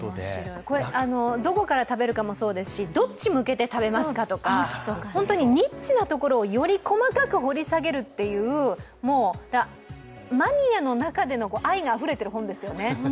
どこから食べるかもそうですしどっち向けて食べますかとか本当にニッチなところをより細かく掘り下げるっていうマニアの中での愛があふれてる本ですよね。